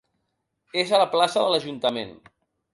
És a la Plaça de l'Ajuntament.